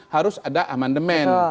harus ada amandemen